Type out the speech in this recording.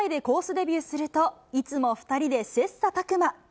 デビューすると、いつも２人で切さたく磨。